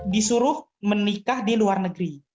disuruh menikah di luar negeri